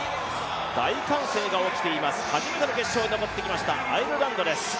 大歓声が起きています、初めての決勝に残ってきましきた、アイルランドです。